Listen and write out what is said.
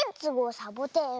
サボテン」は。